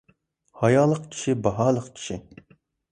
ھايالىق كىشى – باھالىق كىشى.